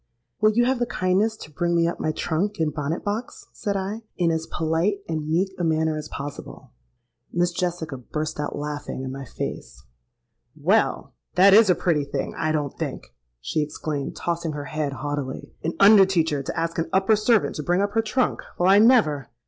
'Will you have the kindness to bring me up my trunk and bonnet box?' said I, in as polite and meek a manner as possible.—Miss Jessica burst out laughing in my face. 'Well! that is a pretty thing, I don't think!' she exclaimed, tossing her head haughtily: 'an under teacher to ask an upper servant to bring up her trunk! Well—I never!'